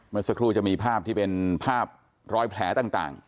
เมื่อสักครู่จะมีภาพที่เป็นภาพรอยแผลต่าง